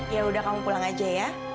yaudah kamu pulang aja ya